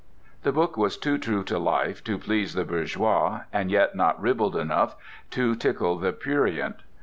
The book was too true to life to please the bourgeois and yet not ribald enough to tickle the prurient.